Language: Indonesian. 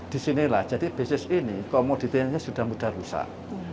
di sini lah jadi bisnis ini komoditinya sudah mudah rusak